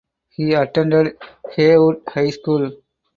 He attended Haywood High School.